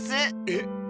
えっ。